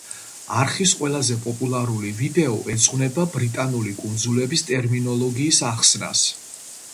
არხის ყველაზე პოპულარული ვიდეო ეძღვნება ბრიტანული კუნძულების ტერმინოლოგიის ახსნას.